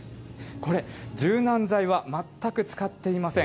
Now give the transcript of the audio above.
これ、柔軟剤は全く使っていません。